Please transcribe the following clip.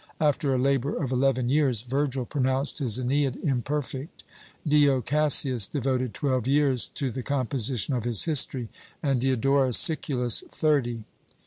After a labour of eleven years, Virgil pronounced his Ãneid imperfect. Dio Cassius devoted twelve years to the composition of his history, and Diodorus Siculus, thirty.